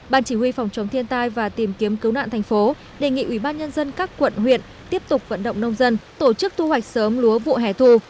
ban chỉ huy phòng chống thiên tai và tìm kiếm cứu nạn thành phố đề nghị ubnd các quận huyện tiếp tục vận động nông dân tổ chức thu hoạch sớm lúa vụ hẻ thu